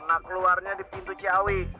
nah keluarnya di pintu ciawi